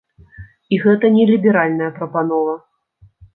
І гэта не ліберальная прапанова.